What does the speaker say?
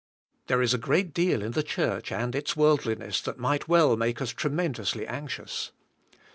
There is a great deal in the church and its worldliness that might well make us tre mendously anxious.